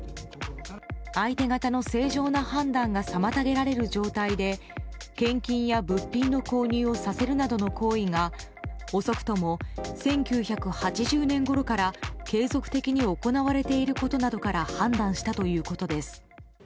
相手方の正常な判断が妨げられる状態で献金や物品の購入をさせるなどの行為が遅くとも遅くとも１９８０年ごろから継続的に行われていることなどから判断したということです。